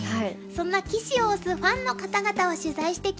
そんな棋士を推すファンの方々を取材してきました。